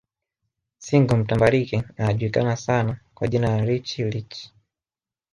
Single mtambalike anajulikana sana kwa jina la Richie Rich